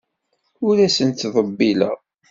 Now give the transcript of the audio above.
Ur asent-ttḍebbileɣ.